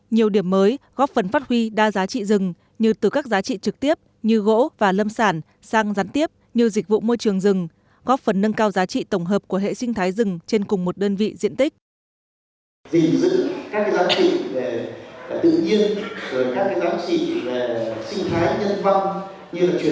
nhiều điểm mới góp phần phát huy đa giá trị rừng như từ các giá trị trực tiếp như gỗ và lâm sản sang gián tiếp như dịch vụ môi trường rừng góp phần nâng cao giá trị tổng hợp của hệ sinh thái rừng trên cùng một đơn vị diện tích